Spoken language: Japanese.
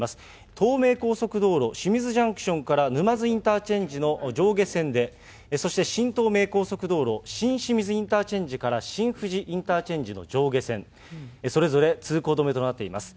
東名高速道路清水ジャンクションから沼津インターチェンジの上下線で、そして、新東名高速道路、新清水インターチェンジから新富士インターチェンジの上下線、それぞれ通行止めとなっています。